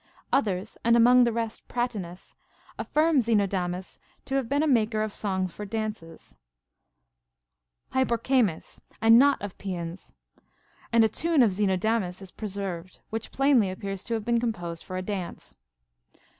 Others, and among the rest Pratinas, affirm Xenodamus to have been a maker of songs for dances (Hyporchemes), and not of paeans ; and a tune of Xenodamus is preserved, which plainly appears to have been composed for a dance.